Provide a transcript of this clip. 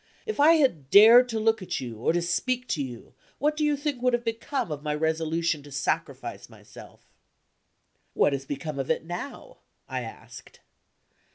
If I had dared to look at you, or to speak to you, what do you think would have become of my resolution to sacrifice myself?" "What has become of it now?" I asked.